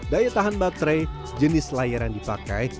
daya tahan baterai jenis layar yang dipakai